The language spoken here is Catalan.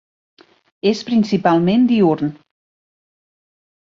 És principalment diürn.